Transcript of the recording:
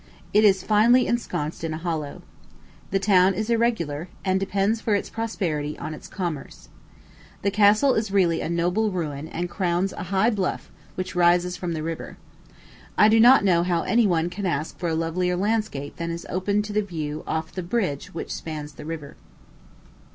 It is finely ensconced in a hollow. The town is irregular, and depends for its prosperity on its commerce. The castle is really a noble ruin and crowns a high bluff which rises from the river. I do not know how any one can ask for a lovelier landscape than is opened to the view off the bridge which spans the river.